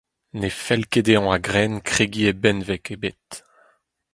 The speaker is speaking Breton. Ne fell ket dezhañ a-grenn kregiñ e benveg ebet.